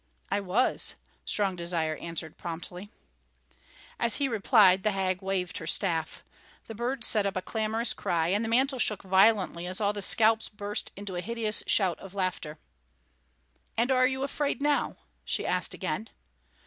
"I was," Strong Desire answered promptly. As he replied, the hag waved her staff. The birds set up a clamorous cry, and the mantle shook violently as all the scalps burst into a hideous shout of laughter. "And are you afraid now?" she asked again.